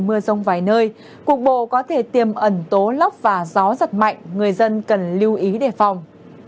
mưa rông vài nơi cục bộ có thể tiềm ẩn tố lốc và gió giật mạnh người dân cần lưu ý đề phòng